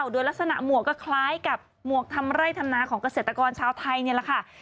โดยลักษณะหมวกก็คล้ายกับหมวกทำไร่ทำนาของเกษตรกรชาวไทยนี่แหละค่ะ